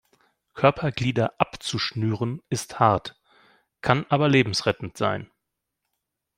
Körperglieder abzuschnüren ist hart, kann aber lebensrettend sein.